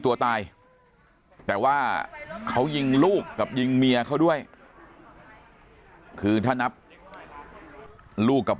ตัวตายแต่ว่าเขายิงลูกกับยิงเมียเขาด้วยคือถ้านับลูกกับ